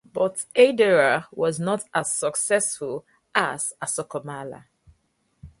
But "Eda Ra" was not as successful as "Asoka Mala".